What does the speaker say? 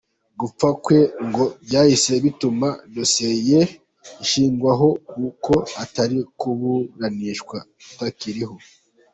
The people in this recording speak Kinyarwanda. Gupfa kwe ngo byahise bituma dossier ye ishyingurwa kuko atari kuburanishwa atakiriho.